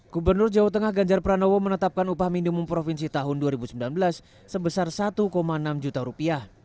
gubernur jawa tengah ganjar pranowo menetapkan upah minimum provinsi tahun dua ribu sembilan belas sebesar satu enam juta rupiah